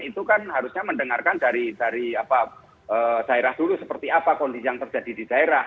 itu kan harusnya mendengarkan dari daerah dulu seperti apa kondisi yang terjadi di daerah